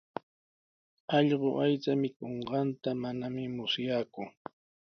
Allqu aycha mikunqanta manami musyaaku.